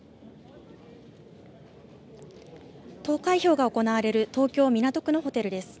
投開票が行われる東京港区のホテルです。